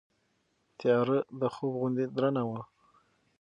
تیاره د خوب غوندې درنه وه.